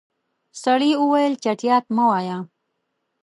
سړی وويل چټياټ مه وايه.